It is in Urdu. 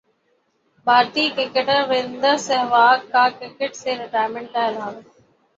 بھارتی کرکٹر وریندر سہواگ کا کرکٹ سے ریٹائرمنٹ کا اعلان